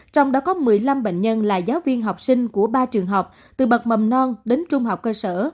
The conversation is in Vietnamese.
trong đó có một mươi năm bệnh nhân là giáo viên học sinh của ba trường học từ bậc mầm non đến trung học cơ sở